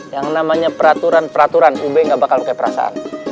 yang namanya peraturan peraturan ub gak bakal keperasaan